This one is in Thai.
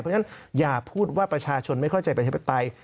เพราะฉะนั้นอย่าพูดว่าประชาชนไม่เข้าใจประชาธิปไตย